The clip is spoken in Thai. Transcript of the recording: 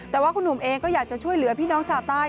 แต่ว่าคุณหนุ่มเองก็อยากจะช่วยเหลือพี่น้องชาวใต้